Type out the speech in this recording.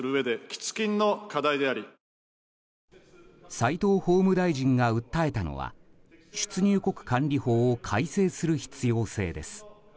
齋藤法務大臣が訴えたのは出入国管理法を改正する必要性です。